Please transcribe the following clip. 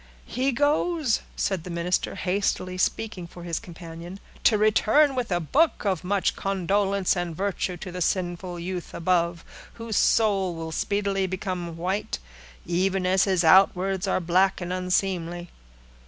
"He goes," said the minister, hastily speaking for his companion, "to return with a book of much condolence and virtue to the sinful youth above, whose soul will speedily become white, even as his outwards are black and unseemly.